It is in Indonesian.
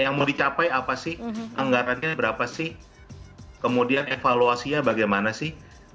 yang mau dicapai apa sih anggarannya berapa sih kemudian evaluasinya bagaimana sih